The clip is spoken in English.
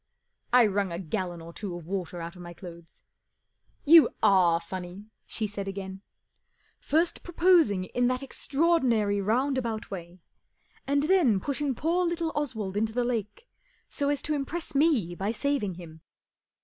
I wrung a gallon or two of water out of my clothes. " You are funny 1 " she said again, " First proposing in that extraordinary roundabout way, and then pushing poor little Oswald into the lake so as to impress me by saving him."